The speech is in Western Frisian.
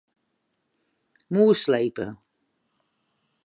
Mûs slepe.